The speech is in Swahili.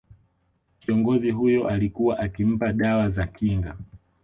Kiongozi huyo alikuwa akimpa dawa za kinga